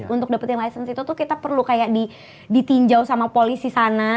untuk dapetin lisensi itu tuh kita perlu kayak ditinjau sama polisi sana